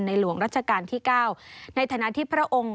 หลวงรัชกาลที่๙ในฐานะที่พระองค์